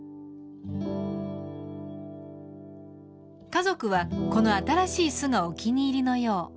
家族はこの新しい巣がお気に入りのよう。